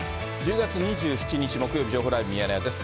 １０月２７日木曜日、情報ライブミヤネ屋です。